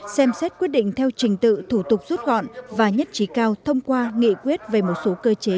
xem xét quyết định theo trình tự thủ tục rút gọn và nhất trí cao thông qua nghị quyết về một số cơ chế